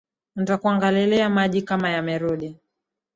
Nitakuangalilia maji kama yamerudi